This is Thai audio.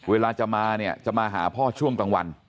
เวลาจะมาเนี่ยจะมาหาพ่อช่วงกลางวัน